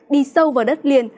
đi sâu vào đất liền